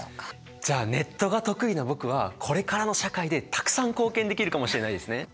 じゃあネットが得意な僕はこれからの社会でたくさん貢献できるかもしれないですね。